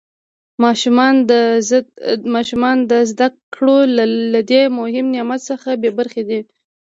ماشومان د زده کړو له دې مهم نعمت څخه بې برخې دي.